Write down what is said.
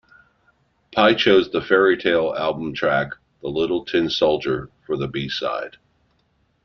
Pye chose the "Fairytale" album track "The Little Tin Soldier" for the b-side.